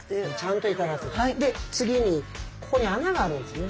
で次にここに穴があるんですよね。